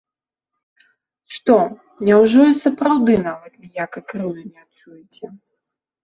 Што, няўжо і сапраўды нават ніякай крыўды не адчуеце?